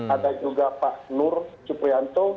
ada juga pak nur suprianto